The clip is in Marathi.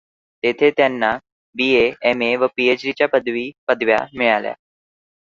तेथे त्यांना बीए, एमए व पीएचडी च्या पदव्या मिळाल्या.